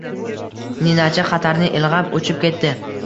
Ninachi xatarni ilg’ab, uchib ketdi.